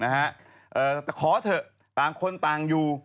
แต่ขอเถอะต่างคนต่างอยู่